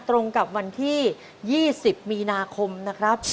ตรงกับวันที่๒๐มีนาคมนะครับ